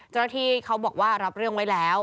เจ้าหน้าที่เขาบอกว่ารับเรื่องไว้แล้ว